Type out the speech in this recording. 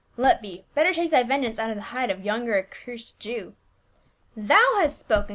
" Let be ; belter take thy ven geance out of the hide of yonder accursed Jew." " Thou hast spoken